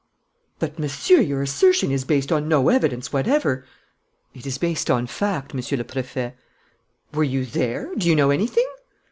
"But, Monsieur, your assertion is based on no evidence whatever!" "It is based on fact, Monsieur le Préfet." "Were you there? Do you know anything?"